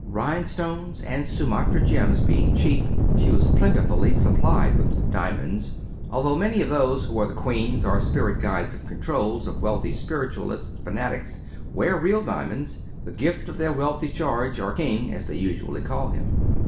Rhinestones and Sumatra gems being cheap, she was plentifully supplied with '' diamonds/' although many of those who are the queens or spirit guides or " controls " of wealthy spiritualistic fanatics wear real diamonds, the gift of their wealthy charge, or " king '' as they usually call him.